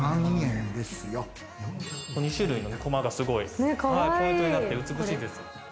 ２種類のコマがすごいポイントになって美しいです。